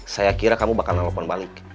saya kira kamu bakal nelfon balik